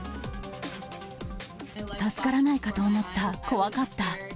助からないかと思った、怖かった。